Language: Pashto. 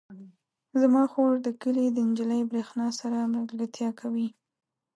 زما خور د کلي د نجلۍ برښنا سره ملګرتیا کوي.